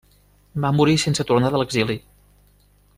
Va morir sense tornar de l’exili.